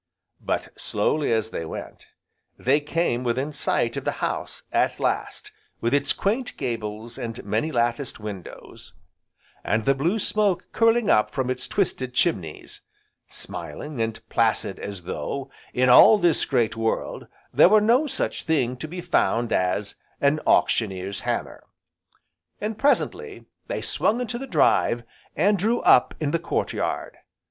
But, slowly as they went, they came within sight of the house, at last, with its quaint gables, and many latticed windows, and the blue smoke curling up from its twisted chimneys, smiling and placid as though, in all this great world, there were no such thing to be found as an auctioneer's hammer. And presently they swung into the drive, and drew up in the courtyard.